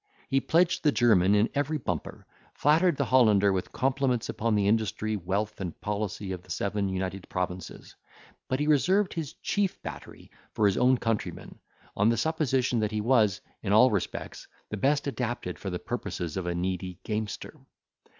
He pledged the German in every bumper; flattered the Hollander with compliments upon the industry, wealth, and policy of the Seven United Provinces; but he reserved his chief battery for his own countryman, on the supposition that he was, in all respects, the best adapted for the purposes of a needy gamester.